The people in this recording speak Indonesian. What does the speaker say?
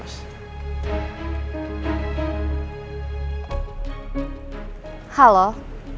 oke kasih handphone ke dia